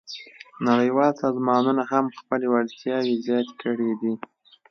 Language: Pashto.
نړیوال سازمانونه هم خپلې وړتیاوې زیاتې کړې دي